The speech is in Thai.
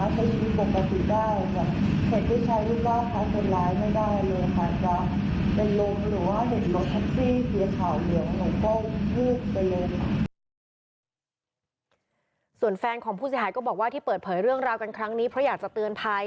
ส่วนแฟนของผู้เสียหายก็บอกว่าที่เปิดเผยเรื่องราวกันครั้งนี้เพราะอยากจะเตือนภัย